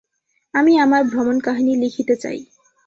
আমি আমার ভ্রমণকাহিনী লিখিতে চাই।